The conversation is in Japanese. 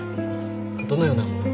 どのようなものを。